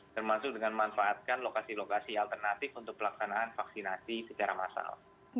termasuk dengan memanfaatkan lokasi lokasi alternatif untuk pelaksanaan vaksinasi secara massal